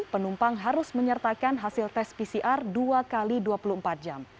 penumpang harus menyertakan hasil tes pcr dua x dua puluh empat jam